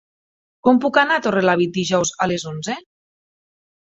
Com puc anar a Torrelavit dijous a les onze?